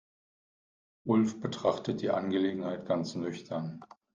Ulf betrachtet die Angelegenheit ganz nüchtern.